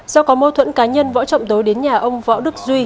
do có mâu thuẫn cá nhân võ trọng tối đến nhà ông võ đức duy